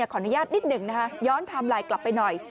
ขออนุญาตนิดหนึ่งนะคะย้อนไทม์ไลน์กลับไปหน่อย